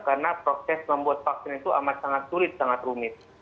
karena proses membuat vaksin itu amat sangat sulit sangat rumit